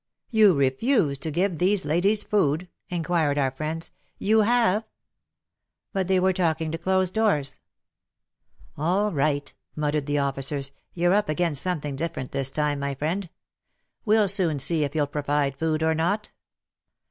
" You refuse to give these ladies food ?" inquired our friends. ''You have ?" But they were talking to closed doors. ''All right," muttered the officers, "you're up against something different this time, my friend. We'll soon see if you'll provide food or not."